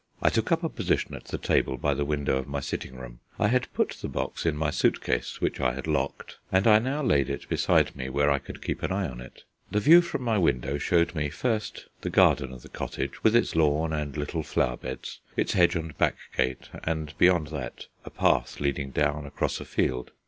I took up a position at the table by the window of my sitting room. I had put the box in my suit case, which I had locked, and I now laid it beside me where I could keep an eye upon it. The view from my window showed me, first, the garden of the cottage, with its lawn and little flower beds, its hedge and back gate, and beyond that a path leading down across a field.